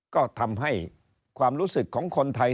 ก็ทำให้ความรู้สึกของคนไทย